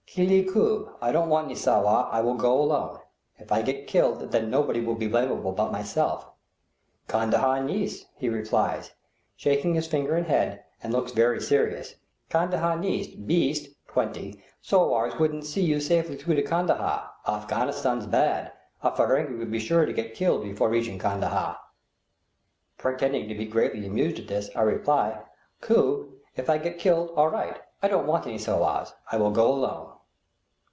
"Kliylie koob; I don't want any sowar, I will go alone; if I get killed, then nobody will be blamable but myself." "Kandahar neis," he replies, shaking his finger and head, and looking very serious; "Kandahar neis; beest (20) sowars couldn't see you safely through to Kandahar; Afghanistan's bad; a Ferenghi would be sure to get killed before reaching Kandahar." Pretending to be greatly amused at this, I reply, "koob; if I get killed, all right; I don't want any sowars; I will go alone."